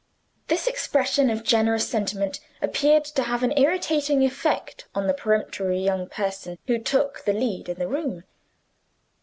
This expression of generous sentiment appeared to have an irritating effect on the peremptory young person who took the lead in the room.